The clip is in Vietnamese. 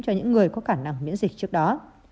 cho những người có khả năng miễn dịch trước đó